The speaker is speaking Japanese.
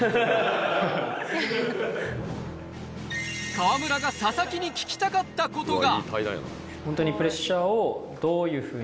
河村が佐々木に聞きたかったことが。